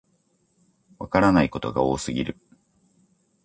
わからないことが多すぎる